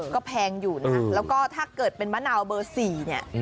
ก็แพงอยู่นะแล้วก็ถ้าเกิดเป็นมะนาวเบอร์๔เนี่ย